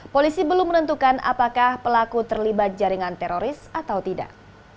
polisi belum menentukan apakah pelaku terlibat jaringan teroris atau tidak